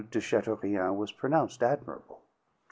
de Chateaurien was pronounced admirable.